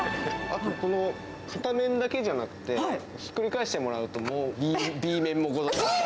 あとこの、片面だけじゃなくて、ひっくり返してもらうと、もうＢ面もございます。